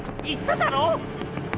言っただろ！